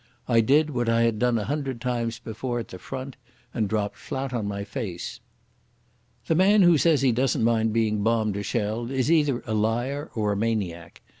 I did what I had done a hundred times before at the Front, and dropped flat on my face. The man who says he doesn't mind being bombed or shelled is either a liar or a maniac.